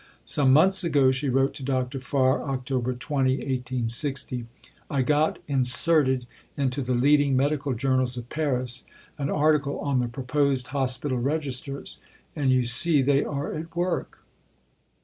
"Some months ago," she wrote to Dr. Farr (Oct. 20, 1860), "I got inserted into the leading medical journals of Paris an article on the proposed Hospital Registers; and you see they are at work."